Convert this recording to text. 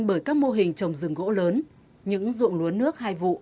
bởi các mô hình trồng rừng gỗ lớn những ruộng lúa nước hai vụ